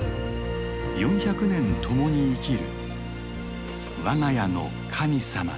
４００年共に生きる我が家の神様の木だ。